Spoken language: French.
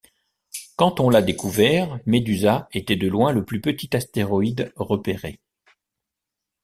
Quand on l'a découvert, Medusa était de loin le plus petit astéroïde repéré.